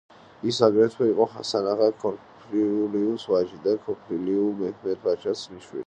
ის, აგრეთვე, იყო ჰასან აღა ქოფრიულიუს ვაჟი და ქოფრიულიუ მეჰმედ-ფაშას ძმისშვილი.